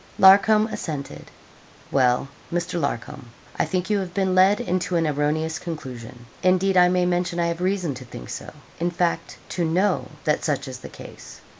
Larcom assented. 'Well, Mr. Larcom, I think you have been led into an erroneous conclusion. Indeed, I may mention I have reason to think so in fact, to know that such is the case.